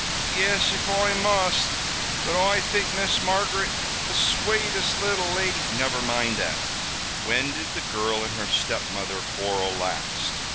"Yis, if Oi must. But Oi think Miss Margaret the swatest little lady " "Never mind that. When did the girl and her stepmother quarrel last?